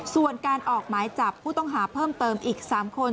ส่วนการออกหมายจับผู้ต้องหาเพิ่มเติมอีก๓คน